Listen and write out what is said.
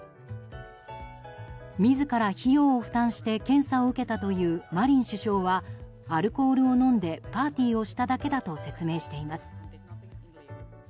自ら費用を負担して検査を受けたというマリン首相はアルコールを飲んでパーティーをしただけだと説明しています。